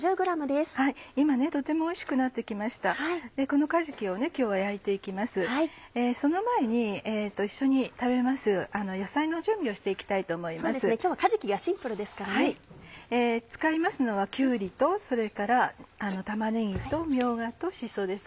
使いますのはきゅうりとそれから玉ねぎとみょうがとしそです。